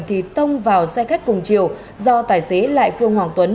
thì tông vào xe khách cùng chiều do tài xế lại phương hoàng tuấn